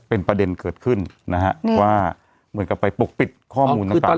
เป็นประเด็นเกิดขึ้นนะฮะว่าเหมือนกับไปปกปิดข้อมูลต่าง